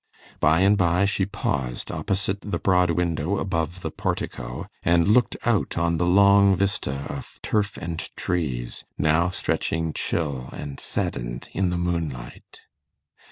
By and by she paused opposite the broad window above the portico, and looked out on the long vista of turf and trees now stretching chill and saddened in the moonlight.